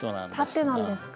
縦なんですか？